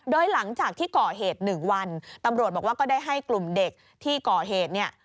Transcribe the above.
โดยหลังจากที่ก่อเหตุ๑วันตำรวจบอกว่าก็ได้ให้กลุ่มเด็กที่ก่อเหตุเนี่ย